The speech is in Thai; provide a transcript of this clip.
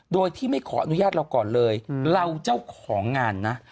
โดยที่ไม่ขออนุญาตเราก่อนเลยเราเจ้าของงานนะ